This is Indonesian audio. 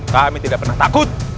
kami tidak pernah takut